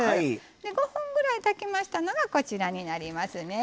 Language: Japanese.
５分ぐらい炊きましたのがこちらになりますね。